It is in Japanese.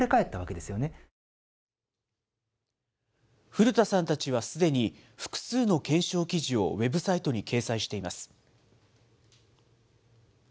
古田さんたちはすでに複数の検証記事をウェブサイトに掲載しています。